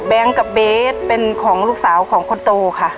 กับเบสเป็นของลูกสาวของคนโตค่ะ